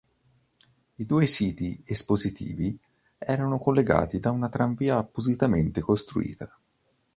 I due siti espositivi erano collegati da una tramvia appositamente costruita.